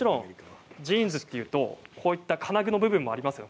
ジーンズというと金具の部分もありますよね。